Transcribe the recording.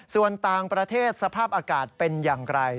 ส่วนต่างประเทศสภาพอากาศเป็นอย่างไร